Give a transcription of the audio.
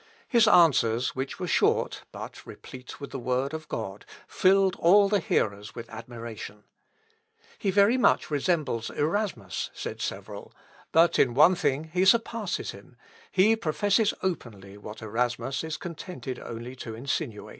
His answers, which were short, but replete with the word of God, filled all the hearers with admiration. "He very much resembles Erasmus," said several; "but in one thing he surpasses him, he professes openly what Erasmus is contented only to insinuate."